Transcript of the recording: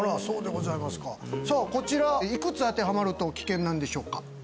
そうでございますかさあこちらいくつ当てはまると危険なんでしょうか？